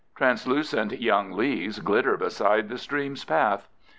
Translucent young leaves glitter beside the stream's path.